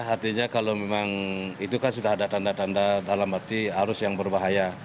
artinya kalau memang itu kan sudah ada tanda tanda dalam arti arus yang berbahaya